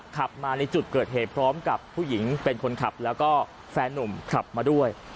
ขับมาในจุดเกิดเหตุพร้อมกับผู้หญิงเป็นคนขับแล้วก็แฟนนุ่มขับมาด้วย